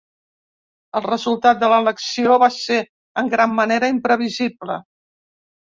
El resultat de l'elecció va ser en gran manera imprevisible.